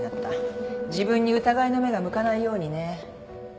自分に疑いの目が向かないようにね。